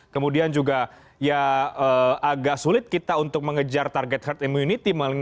kemudian juga ya agak sulit kita untuk mengejar target herd immunity